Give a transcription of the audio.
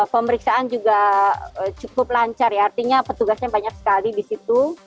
pemeriksaan juga cukup lancar ya artinya petugasnya banyak sekali di situ